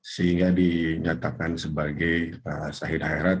sehingga dinyatakan sebagai sahid akhirat